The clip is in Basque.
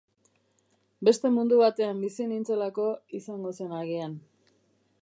Beste mundu batean bizi nintzelako izango zen agian.